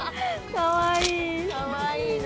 かわいいな。